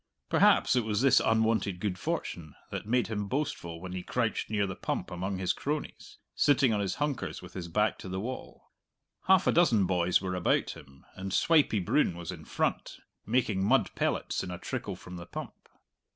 Perhaps it was this unwonted good fortune that made him boastful when he crouched near the pump among his cronies, sitting on his hunkers with his back to the wall. Half a dozen boys were about him, and Swipey Broon was in front, making mud pellets in a trickle from the pump.